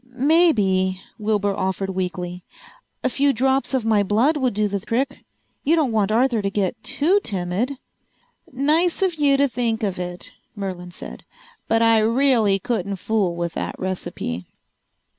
"Maybe," Wilbur offered weakly, "a few drops of my blood would do the trick. You don't want Arthur to get too timid." "Nice of you to think of it," Merlin said. "But I really couldn't fool with that recipe."